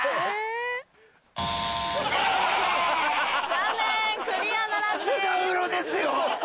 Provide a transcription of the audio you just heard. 残念クリアならずです。